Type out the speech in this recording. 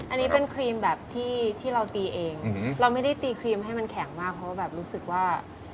อันนี้เป็นครีมแบบที่เราตีเองเราไม่ได้ตีครีมให้มันแข็งมากเพราะว่าแบบรู้สึกว่า